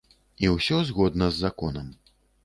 І ўсё згодна з законам.